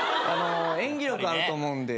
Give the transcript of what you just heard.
演技力あると思うんで。